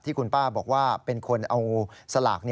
คุณป้าบอกว่าเป็นคนเอาสลาก